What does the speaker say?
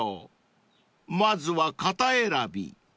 ［まずは型選び］